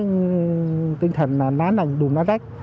với tinh thần lá nành đùm lá đách